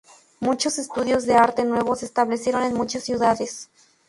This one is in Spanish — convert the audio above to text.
Muchos estudios de arte nuevos se establecieron en muchas ciudades.